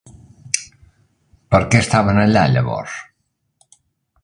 Per què estaven allà, llavors?